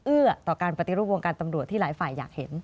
เอื้อต่อการปฏิรูปวงการตำรวจที่หลายฝ่ายอยากเห็น